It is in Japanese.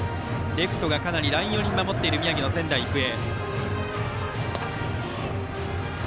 レフトがかなりライン寄りに守る宮城の仙台育英。